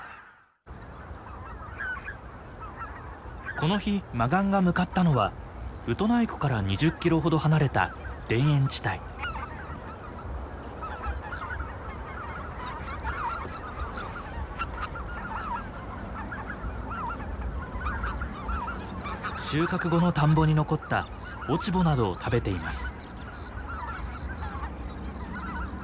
この日マガンが向かったのはウトナイ湖から２０キロほど離れた田園地帯。収穫後の田んぼに残った落ち穂などを食べています。